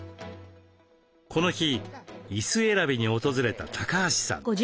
この日椅子選びに訪れた高橋さん。